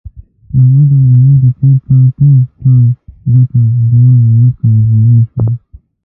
د احمد او محمود د تېر کال ټول ټال گټه دوه لکه افغانۍ شوه.